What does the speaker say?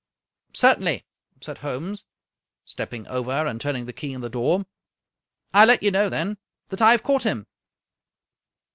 " Certainly," said Holmes, stepping over and turning the key in the door. " I let you know, then, that I have caught him!"